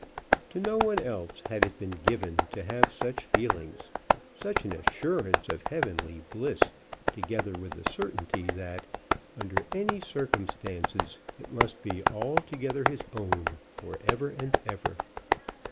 To no one else had it been given to have such feelings, such an assurance of heavenly bliss, together with the certainty that, under any circumstances, it must be altogether his own, for ever and ever.